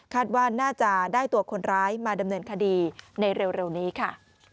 ว่าน่าจะได้ตัวคนร้ายมาดำเนินคดีในเร็วนี้ค่ะ